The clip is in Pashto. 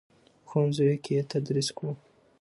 په ښوونځیو کې یې تدریس کړو.